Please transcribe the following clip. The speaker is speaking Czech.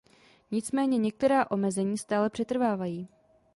Nicméně některá omezení stále přetrvávají.